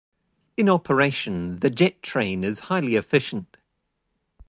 In operation, the JetTrain is highly efficient.